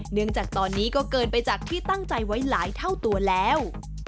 เนื่องจากตอนนี้ก็เกินไปจากที่ตั้งใจไว้หลายเท่าตัวแล้ว